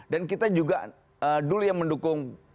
dan kita juga dulu yang mendukung